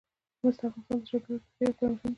مس د افغانستان د چاپیریال د مدیریت لپاره مهم دي.